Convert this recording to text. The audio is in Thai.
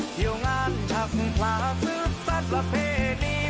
เที่ยวงานชักผลาซึบซัดละเพดี